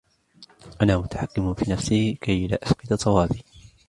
أنا متحكم في نفسي كي لا أفقد صوابي.